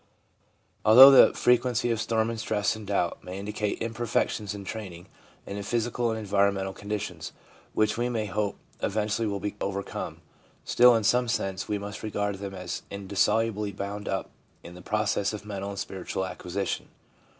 Although the frequency of storm and stress and doubt may indicate imperfections in training and in physical and environmental conditions, which we may hope eventually will be overcome, still in some sense we must regard them as indissolubly bound up in the pro cess of mental and spiritual acquisition.